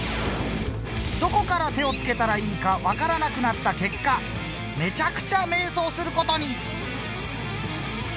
どこから手を付けたらいいかわからなくなった結果めちゃくちゃ迷走する事に！